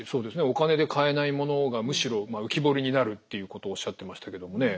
お金で買えないものがむしろ浮き彫りになるっていうことをおっしゃってましたけどもね。